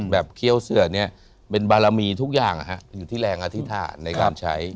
เคี้ยวเสือเนี่ยเป็นบารมีทุกอย่างอยู่ที่แรงอธิษฐานในการใช้